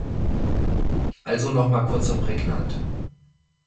Also noch mal kurz und prägnant.